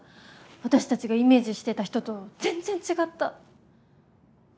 私たちがイメージしてた人と全然違った！